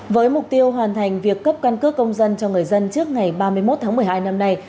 với mục tiêu hoàn thành việc cấp căn cước công dân cho người dân trước ngày ba mươi một tháng một mươi hai năm nay